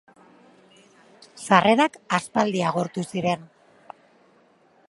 Sarrerak aspaldi agortu ziren.